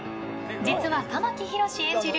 実は玉木宏演じる